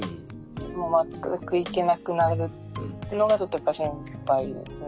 もう全く行けなくなるってのがちょっとやっぱ心配ですね。